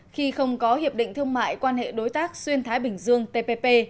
khi không có hiệp định thương mại quan hệ đối tác xuyên thái bình dương tpp